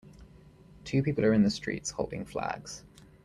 Two people are in the streets holding flags.